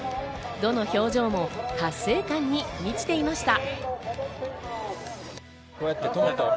どの表情も達成感に満ちていました。